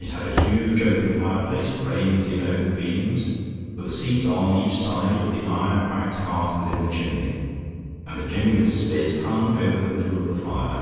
It had a huge open fireplace framed in oak beams with a seat on each side of the iron backed hearth within the chimney, and a genuine spit hung over the middle of the fire.